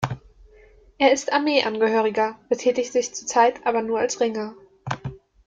Er ist Armeeangehöriger, betätigt sich zurzeit aber nur als Ringer.